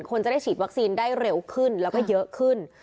คนจะได้ฉีดวัคซีนได้เร็วขึ้นแล้วก็เยอะขึ้น